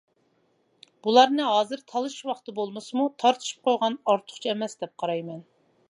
بۇلارنى ھازىر تالىشىش ۋاقتى بولمىسىمۇ تارتىشىپ قويغان ئارتۇقچە ئەمەس دەپ قارايمەن.